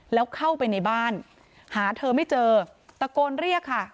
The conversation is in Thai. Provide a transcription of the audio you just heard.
แล้วเข้าไปในบ้านหาเธอไม่เจอตะโกนเรียกค่ะ